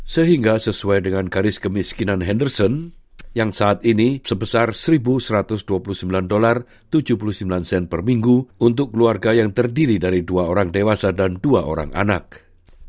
sehingga sesuai dengan garis kemiskinan henderson yang saat ini sebesar satu satu ratus dua puluh sembilan tujuh puluh sembilan sen per minggu untuk keluarga yang terdiri dari dua orang dewasa dan dua orang anak